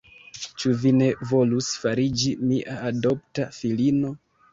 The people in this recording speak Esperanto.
Ĉu vi ne volus fariĝi mia adopta filino?